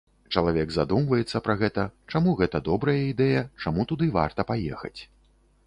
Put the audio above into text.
Чалавек задумваецца пра гэта, чаму гэта добрая ідэя, чаму туды варта паехаць.